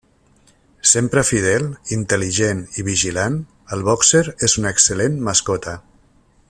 Sempre fidel, intel·ligent i vigilant, el bòxer és una excel·lent mascota.